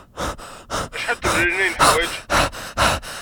Acḥal n tmellalin ay neḥwaj?